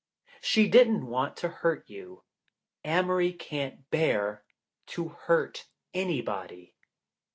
She didn't want to hurt you. Amory can't bear to hurt anybody."